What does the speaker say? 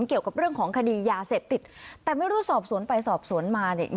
เกี่ยวกับเรื่องของคดียาเสพติดแต่ไม่รู้สอบสวนไปสอบสวนมาเนี่ย